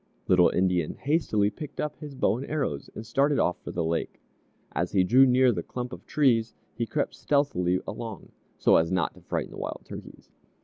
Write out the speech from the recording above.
Little Indian hastily picked up his bow and arrows, and started off for the lake. As he drew near the clump of trees, he crept stealthily along, so as not to frighten the wild turkeys.